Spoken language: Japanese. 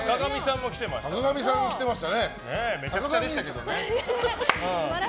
坂上さんも来てましたから。